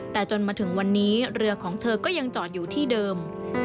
แต่จนมาถึงวันนี้เรือของเธอก็ยังจอดอยู่ที่เดิม